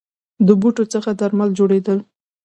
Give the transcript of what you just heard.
د بوټو څخه درمل جوړیدل